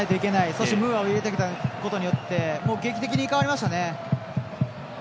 そして、ムーアを入れてきたことによって劇的に変わりましたね。